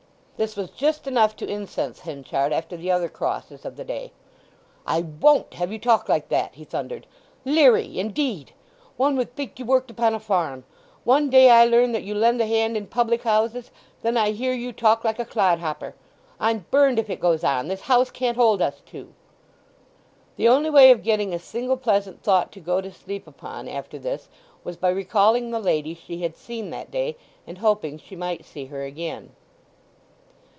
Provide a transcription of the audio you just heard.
This was just enough to incense Henchard after the other crosses of the day. "I won't have you talk like that!" he thundered. "'Leery,' indeed. One would think you worked upon a farm! One day I learn that you lend a hand in public houses. Then I hear you talk like a clodhopper. I'm burned, if it goes on, this house can't hold us two." The only way of getting a single pleasant thought to go to sleep upon after this was by recalling the lady she had seen that day, and hoping she might see her again.